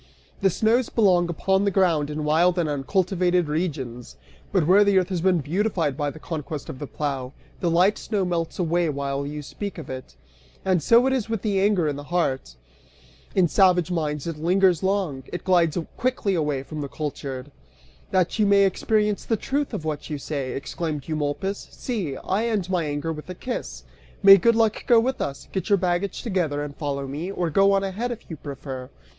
The snows belong upon the ground in wild and uncultivated regions, but where the earth has been beautified by the conquest of the plough, the light snow melts away while you speak of it. And so it is with anger in the heart; in savage minds it lingers long, it glides quickly away from the cultured. "That you may experience the truth of what you say," exclaimed Eumolpus, "see! I end my anger with a kiss. May good luck go with us! Get your baggage together and follow me, or go on ahead, if you prefer."